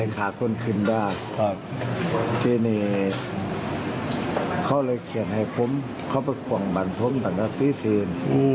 ตอนนี้เขาควังไหมล์ผมแต่ว่าจะตี้สิน